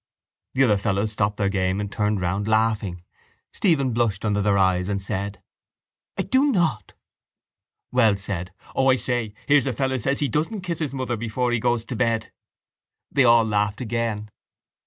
The other fellows stopped their game and turned round, laughing. Stephen blushed under their eyes and said: —I do not. Wells said: —O, I say, here's a fellow says he doesn't kiss his mother before he goes to bed. They all laughed again.